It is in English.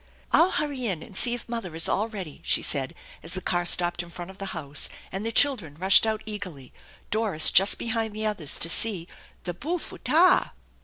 " I'll hurry in and see if mother is all ready," she said, as the car stopped in front of the house, and the children rushed out eagerly, Doris just behind the others, to see the " booful tar."